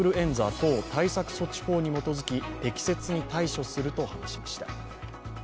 特例法に基づき適切に対処すると話しました。